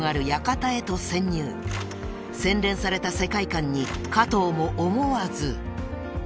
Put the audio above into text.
［洗練された世界観に加藤も思わず］